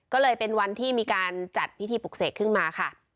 ก็เลยเป็นวันที่มีการจัดพิธีปลุกเสกขึ้นมาค่ะ